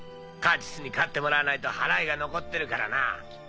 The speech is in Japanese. カーチスに勝ってもらわないと払いが残ってるからなぁ。